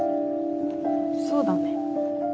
そうだね。